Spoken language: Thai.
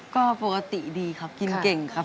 ก็ปกติดีครับกินเก่งครับ